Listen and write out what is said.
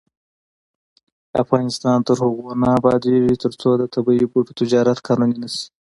افغانستان تر هغو نه ابادیږي، ترڅو د طبیعي بوټو تجارت قانوني نشي.